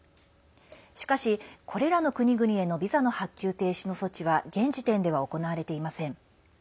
しかし、これらの国々へのビザの発給停止の措置は現時点では行われていません。